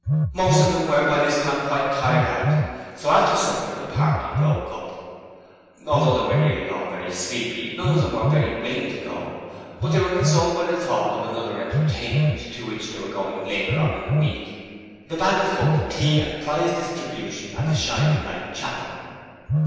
Most of them were by this time quite tired out, so after some supper the party broke up. Although they were nearly all very sleepy, none of them were very willing to go, but they were consoled by the thought of another entertainment to which they were going later on in the week the Band of Hope Tea and Prize Distribution at the Shining Light Chapel.